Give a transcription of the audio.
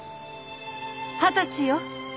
二十歳よ。